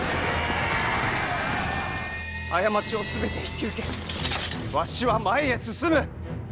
過ちを全て引き受けわしは前へ進む！